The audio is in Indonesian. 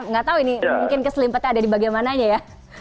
nggak tahu ini mungkin keselimpetan ada di bagaimana aja ya